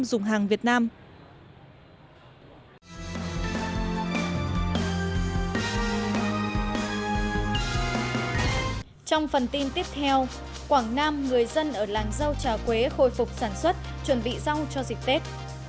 trong phần tin tiếp theo quảng nam người dân ở làng rau trà quế khôi phục sản xuất chuẩn bị rau cho dịp tết